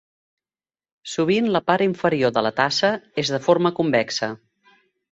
Sovint, la part inferior de la tassa és de forma convexa.